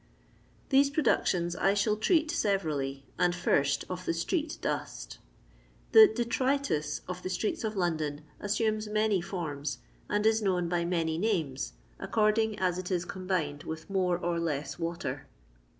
These productions I shall treat severally, and first of the street dust The detritus*' of the streeto of Loadon assnmes many forms, and is known hy many names, ascording as it is combined with mora or less wmter.